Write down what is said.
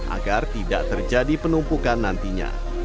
agar tidak terjadi penumpukan nantinya